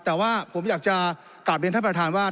แต่ว่าผมอยากจะกลับเรียนท่านประธานว่า